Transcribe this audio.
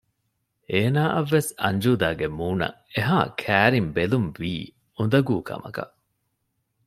އޭނާއަށް ވެސް އަންޖޫދާގެ މޫނަށް އެހާ ކައިރިން ބެލުންވީ އުނދަގޫ ކަމަކަށް